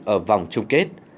ở vòng chung kết